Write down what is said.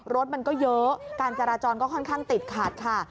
รถมันก็เยอะการจราจรก็ค่อนข้างติดขัดค่ะ